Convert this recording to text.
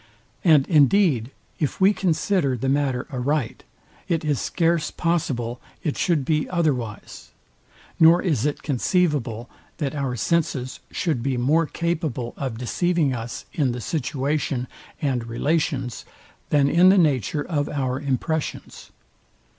And indeed, if we consider the matter aright, it is scarce possible it should be otherwise, nor is it conceivable that our senses should be more capable of deceiving us in the situation and relations, than in the nature of our impressions.